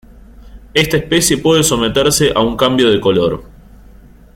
Esta especie puede someterse a un cambio de color.